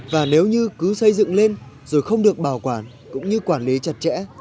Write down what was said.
và nếu như cứ xây dựng lên rồi không được bảo quản cũng như quản lý chặt chẽ